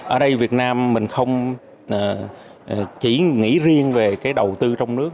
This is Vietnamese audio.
ở đây việt nam mình không chỉ nghĩ riêng về cái đầu tư trong nước